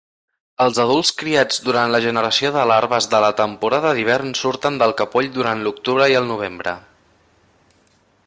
Els adults criats durant la generació de larves de la temporada d'hivern surten del capoll durant l'octubre i el novembre.